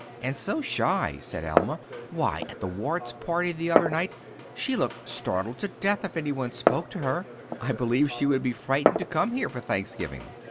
"And so shy," said Alma. "Why, at the Wards' party the other night she looked startled to death if anyone spoke to her. I believe she would be frightened to come here for Thanksgiving."